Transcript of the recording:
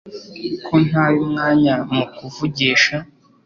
ko ntaye umwanya mukuvugisha